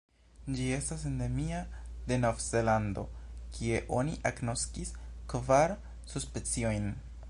Ĝi estas endemia de Novzelando, kie oni agnoskis kvar subspeciojn.